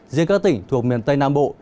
riêng các tỉnh thuộc miền tây nam bộ